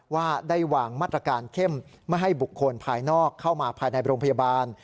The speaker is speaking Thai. ว่าได้วางมาตรการเข้มไม่ให้บุคคลภายนอกเข้ามาภายในโรงพยาบาล